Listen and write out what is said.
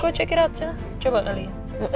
gue cek ratemen coba kali ya